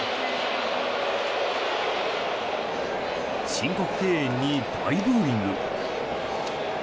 申告敬遠に大ブーイング。